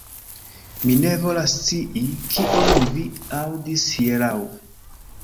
Mi ne volas scii, kion vi aŭdis hieraŭ.